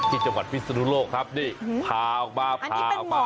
ที่จังหวัดพิศนุโลกครับนี่พาออกมาพาออกมา